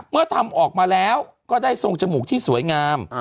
เมื่อทำออกมาแล้วก็ได้ทรงจมูกที่สวยงาม